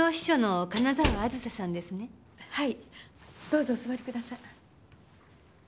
どうぞお座りください。